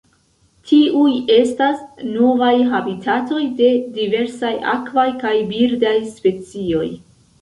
Tiuj estas novaj habitatoj de diversaj akvaj kaj birdaj specioj.